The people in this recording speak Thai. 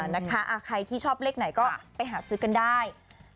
นะคะใครที่ชอบเลขไหนก็ไปหาซื้อกันได้